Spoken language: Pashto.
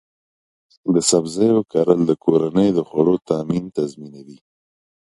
د سبزیو کرل د کورنۍ د خوړو تامین تضمینوي.